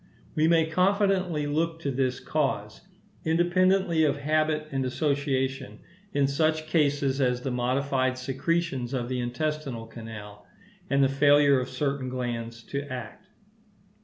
We may confidently look to this cause, independently of habit and association, in such cases as the modified secretions of the intestinal canal, and the failure of certain glands to act.